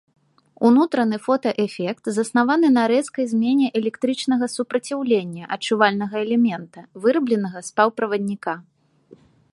Унутраны фотаэфект заснаваны на рэзкай змене электрычнага супраціўлення адчувальнага элемента, вырабленага з паўправадніка.